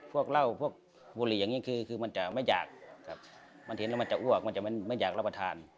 พวกเหล้าพวกบุหรี่อย่างนี้คือมันจะไม่อยากมันเห็นแล้วมันจะอ้วกมันจะไม่อยากรับประทาน